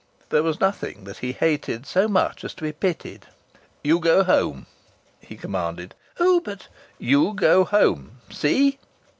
There was nothing that he hated so much as to be pitied. "You go home!" he commanded. "Oh, but " "You go home! See?"